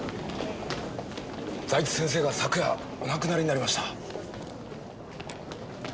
財津先生が昨夜お亡くなりになりました。